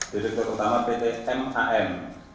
detektor utama pt mam